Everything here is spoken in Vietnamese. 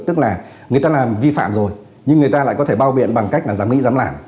tức là người ta làm vi phạm rồi nhưng người ta lại có thể bao biện bằng cách là dám nghĩ dám làm